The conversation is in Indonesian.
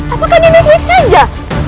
apakah di netflix saja